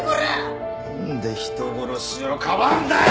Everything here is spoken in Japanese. なんで人殺しをかばうんだよ！